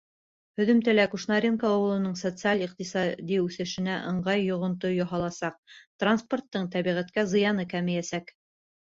Һөҙөмтәлә Кушнаренко ауылының социаль-иҡтисади үҫешенә ыңғай йоғонто яһаласаҡ, транспорттың тәбиғәткә зыяны кәмейәсәк.